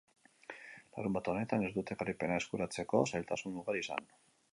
Larunbat honetan ez dute garaipena eskuratzeko zailtasun ugari izan.